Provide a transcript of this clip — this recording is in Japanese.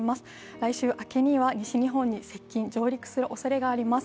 来週には西日本に上陸するおそれがあります。